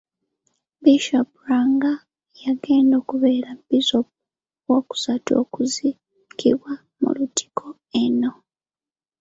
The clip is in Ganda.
Bishop Lwanga y'agenda okubeera Bisoopu owookusatu okuziikibwa mu Lutikko eno.